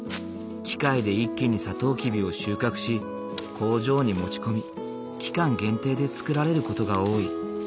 機械で一気にサトウキビを収穫し工場に持ち込み期間限定で作られる事が多い。